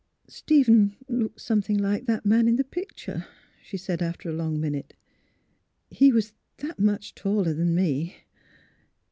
" Stephen looked something like that man in the picture," she said, after a long minute. ^' He was that much taller than me."